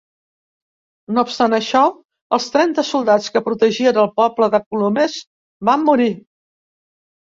No obstant això, els trenta soldats que protegien el poble de Colomers van morir.